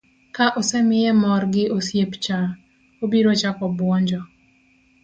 ka osemiye mor gi osiep cha, obiro chako buonjo